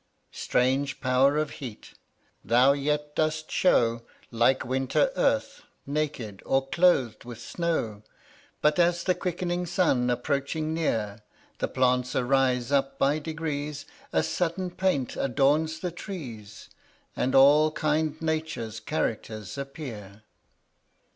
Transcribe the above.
Strange power of heat! thou yet dost show Like winter earth, naked, or cloath'd with snow, But, as the quickening sun approaching near, The plants arise up by degrees, A sudden paint adorns the trees, And all kind Nature's characters appear.